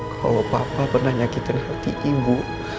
kalau papa pernah nyakitkan hati ibu